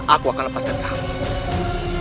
aku akan lepaskan kamu